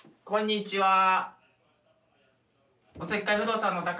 こんにちは。